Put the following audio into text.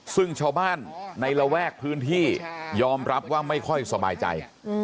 ซึ่งชาวบ้านในระแวกพื้นที่ยอมรับว่าไม่ค่อยสบายใจ